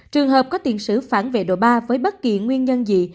trường hợp có tiền sử phản vệ độ ba với bất kỳ nguyên nhân gì